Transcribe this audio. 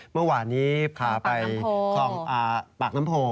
เมื่อวานนี้พาไปคลองปากน้ำโพ